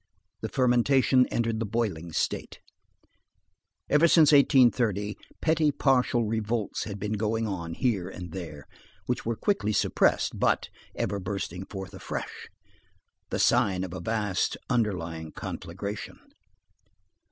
The fermentation entered the boiling state. Ever since 1830, petty partial revolts had been going on here and there, which were quickly suppressed, but ever bursting forth afresh, the sign of a vast underlying conflagration.